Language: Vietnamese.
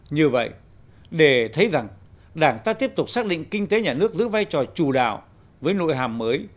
như vậy để thấy rằng đảng ta tiếp tục xác định kinh tế nhà nước giữ vai trò chủ đạo với nội hàm mới